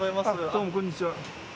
どうもこんにちは。